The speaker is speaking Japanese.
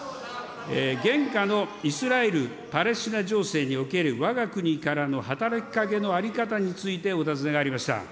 現下のイスラエル・パレスチナ情勢におけるわが国からの働きかけの在り方について、お尋ねがありました。